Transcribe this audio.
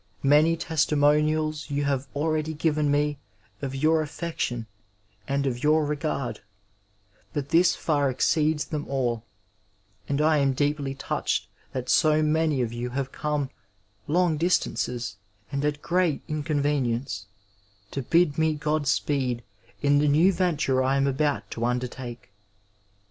Many testimonials you have already given me of your affection and of your regard, but this far exceeds them all, and I am deeply touched that so many of you have come long distances, and at great inconvenience, to bid me Qod speed in the new venture I am about to undertake.